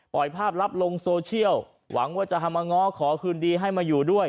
ภาพลับลงโซเชียลหวังว่าจะมาง้อขอคืนดีให้มาอยู่ด้วย